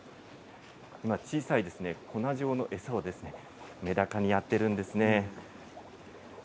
小さい粉状の餌をめだかにやっています。